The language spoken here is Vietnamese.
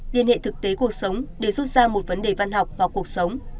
liên hệ thực tế cuộc sống để rút ra một vấn đề văn học vào cuộc sống